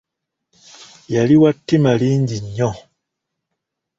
Yali wa ttima lingi nnyo.